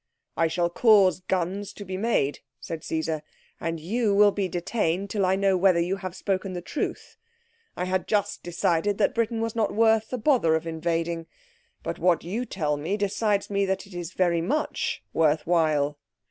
"I shall cause guns to be made," said Caesar, "and you will be detained till I know whether you have spoken the truth. I had just decided that Britain was not worth the bother of invading. But what you tell me decides me that it is very much worth while."